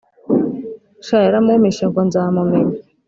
sha yaramumpishe ngo nzamumenya."